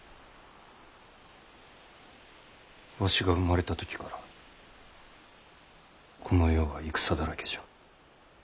わしが生まれた時からこの世は戦だらけじゃ。